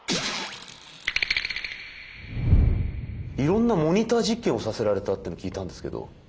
いろんなモニター実験をさせられたって聞いたんですけど。